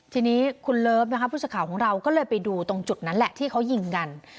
ทีนี้คุณเลิฟนะคะผู้สื่อข่าวของเราก็เลยไปดูตรงจุดนั้นแหละที่เขายิงกัน